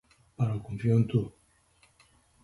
Però confio en tu.